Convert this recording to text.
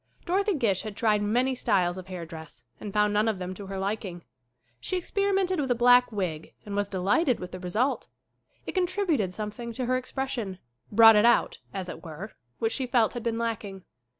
Dorothy Gish had tried many styles of hair dress and found none of them to her liking. She experimented with a black wig and was delighted with the result. It contributed some thing to her expression brought it out, as it were which she felt had been lacking.